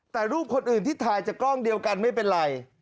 แต่รูปคนอื่นที่ถ่ายจากกล้องเดียวกันไม่เป็นไร